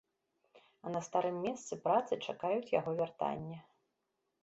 А на старым месцы працы чакаюць яго вяртання.